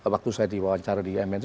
waktu saya diwawancara di mnc